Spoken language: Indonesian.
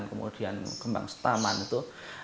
kemudian gembang setaman itu